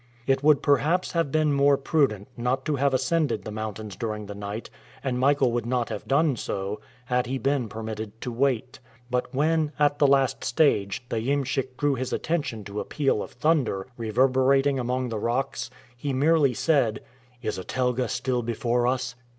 It would perhaps have been more prudent not to have ascended the mountains during the night, and Michael would not have done so, had he been permitted to wait; but when, at the last stage, the iemschik drew his attention to a peal of thunder reverberating among the rocks, he merely said: "Is a telga still before us?"